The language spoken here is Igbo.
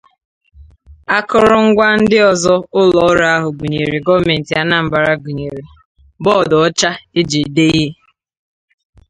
Akụrụngwa ndị ọzọ ụlọọrụ ahụ bunyere gọọmentị Anambra gụnyèrè: bọọdụ ọcha e ji ede ihe